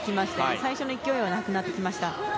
最初の勢いはなくなってきました。